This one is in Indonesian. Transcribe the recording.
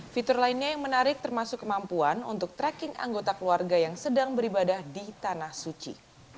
fitur lainnya yang menarik termasuk kemampuan untuk tracking anggota keluarga yang sedang beribadah di tanah suci